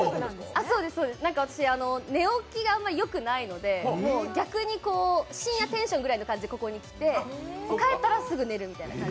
寝起きがあまりよくないので、逆に深夜テンションぐらいの感じでここに来て、帰ったらすぐに寝るみたいな。